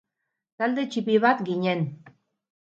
Talde ttipi bat ginen.